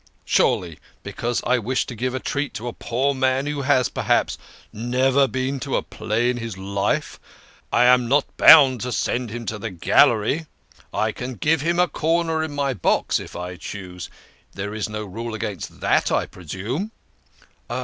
Surely, be cause I wish to give a treat to a poor man who has, perhaps, never been to the play in his life, I am not bound to send him to the gallery I can give him a corner in my box il I choose. There is no rule against that, I presume?